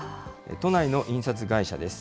都内の印刷会社です。